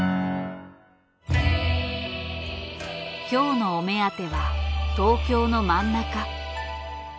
今日のお目当ては東京の真ん中。